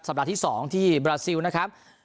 ปัดที่๒ที่บราซิลนะครับ